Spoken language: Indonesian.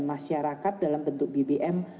masyarakat dalam bentuk bbm